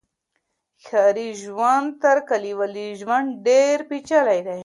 ښاري ژوند تر کلیوالي ژوند ډیر پیچلی دی.